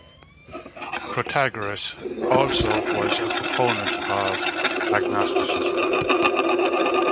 Protagoras also was a proponent of agnosticism.